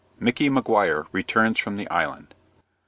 MICKY MAGUIRE RETURNS FROM THE ISLAND.